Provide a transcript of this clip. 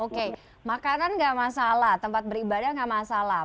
oke makanan gak masalah tempat beribadah nggak masalah